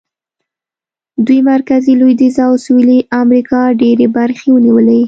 دوی مرکزي، لوېدیځه او سوېلي امریکا ډېرې برخې ونیولې.